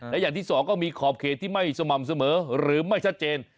และอย่างที่สองก็มีขอบเขตที่ไม่สม่ำเสมอหรือไม่ชัดเจน